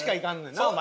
なお前。